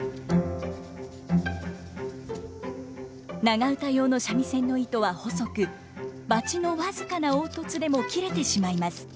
長唄用の三味線の糸は細くバチの僅かな凹凸でも切れてしまいます。